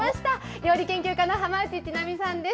料理研究家の浜内千波さんです。